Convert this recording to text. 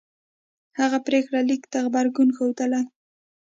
هغه پرېکړه لیک ته غبرګون ښودلی